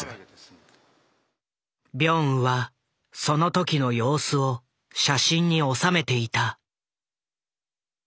ビョンウはその時の様子を写真におさめていた。